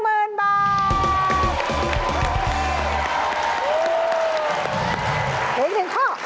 เหลืออีก๑ข้อ